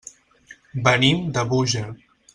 Venim de Búger.